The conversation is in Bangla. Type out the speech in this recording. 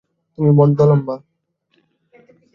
তুমি বড্ড লম্বা।